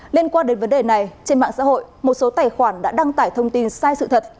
liên quan đến vấn đề này trên mạng xã hội một số tài khoản đã đăng tải thông tin sai sự thật